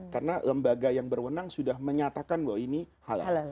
karena lembaga yang berwenang sudah menyatakan bahwa ini halal